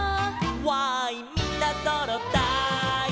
「わーいみんなそろったい」